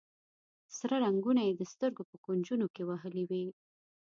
سره رنګونه یې د سترګو په کونجونو کې وهلي وي.